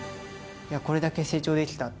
これだけ成長できた。